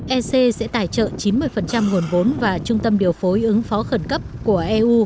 ec sẽ tài trợ chín mươi nguồn vốn và trung tâm điều phối ứng phó khẩn cấp của eu